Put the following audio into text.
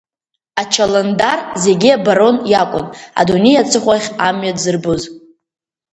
Ачаландар зегьы абарон иакәын адунеи аҵыхәахь амҩа дзырбоз.